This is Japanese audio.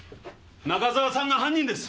中澤さんが犯人です！